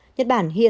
nhật bản hiện